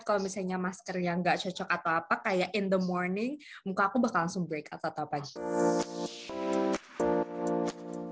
kalau misalnya maskernya nggak cocok atau apa kayak in the morning muka aku bakal langsung break out atau apa gitu